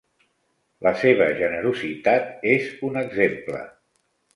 La seva generositat és un exemple.